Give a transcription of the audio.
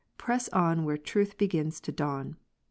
Press Ps. lOO, on where truth begins to dawn.